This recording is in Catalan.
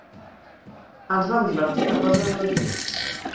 Ens vam divertir una cosa de no dir.